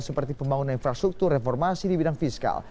seperti pembangunan infrastruktur reformasi di bidang fiskal